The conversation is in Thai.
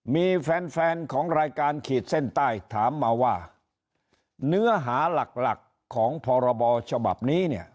มีแฟนแฟนของรายการขีดเส้นใต้ถามมาว่าเนื้อหาหลักหลักของพรบฉบับนี้เนี่ย